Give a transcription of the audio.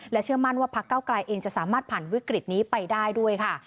เชื่อมั่นว่าพักเก้าไกลเองจะสามารถผ่านวิกฤตนี้ไปได้ด้วยค่ะ